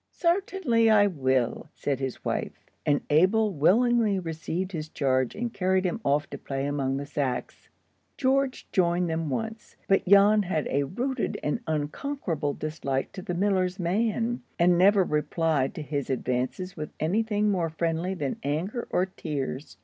"Sartinly I will," said his wife; and Abel willingly received his charge and carried him off to play among the sacks. George joined them once, but Jan had a rooted and unconquerable dislike to the miller's man, and never replied to his advances with any thing more friendly than anger or tears.